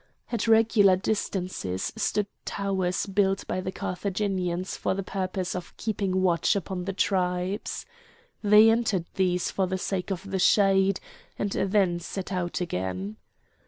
At regular distances stood towers built by the Carthaginians for the purpose of keeping watch upon the tribes. They entered these for the sake of the shade, and then set out again.